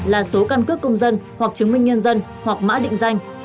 là số căn cước công dân hoặc chứng minh nhân dân hoặc mã định danh